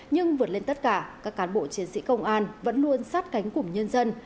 nhưng vượt lên tất cả các cán bộ chiến sĩ công an vẫn luôn sát cánh cùng nhân dân